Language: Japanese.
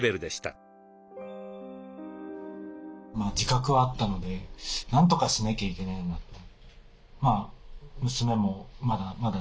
自覚はあったのでなんとかしなきゃいけないなと。